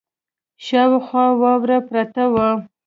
شاوخوا واوره پرته وه.